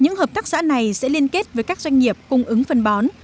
những hợp tác xã này sẽ liên kết với các doanh nghiệp cung ứng phân bón